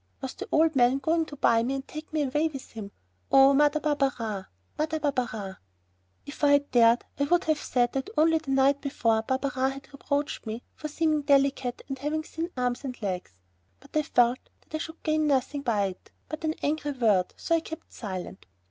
Was the old man going to buy me and take me away with him? Oh, Mother Barberin! Mother Barberin! If I had dared I would have said that only the night before Barberin had reproached me for seeming delicate and having thin arms and legs, but I felt that I should gain nothing by it but an angry word, so I kept silent.